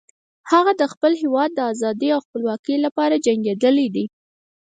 هغه د خپل هیواد د آزادۍ او خپلواکۍ لپاره جنګیدلی ده